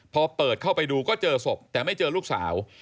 พอเปิดเข้าไปดูก็เจอศพแต่ไม่เจอลูกสาว